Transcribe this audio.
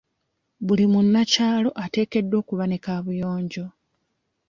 Buli munnakyalo ateekeddwa okuba ne kaabuyonjo.